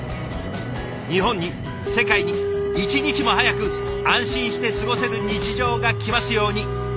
日本に世界に一日も早く安心して過ごせる日常が来ますように。